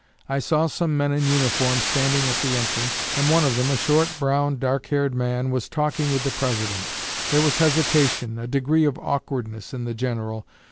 I saw some men in uniform standing at the entrance, and one of them, a short, brown, dark haired man, was talking with the President. There was hesitation, a degree of awkwardness, in the General.